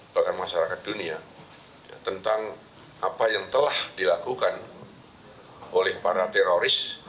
bahkan masyarakat dunia tentang apa yang telah dilakukan oleh para teroris